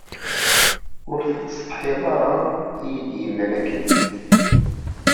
Ur tettsetḥiḍ ara i d-yennan akken.